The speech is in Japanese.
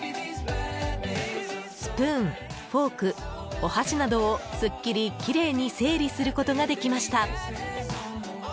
スプーン、フォーク、お箸などをスッキリ、キレイに整理することができました。